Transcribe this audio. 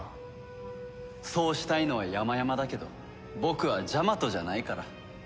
そうしたいのはやまやまだけど僕はジャマトじゃないから。